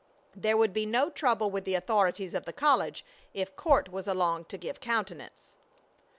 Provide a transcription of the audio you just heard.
There would be no trouble with the authorities of the college if Court was along to give countenance.